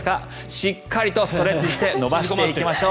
しっかりとストレッチして伸ばしていきましょう。